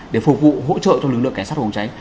để phục vụ hỗ trợ cho lực lượng cảnh sát phòng cháy